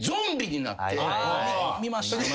見ました。